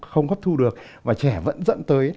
không hốt thu được và trẻ vẫn dẫn tới